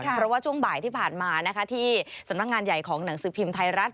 เพราะว่าช่วงบ่ายที่ผ่านมาที่สำนักงานใหญ่ของหนังสือพิมพ์ไทยรัฐ